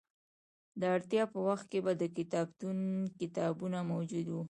د اړتیا په وخت به د کتابتون کتابونه موجود وو.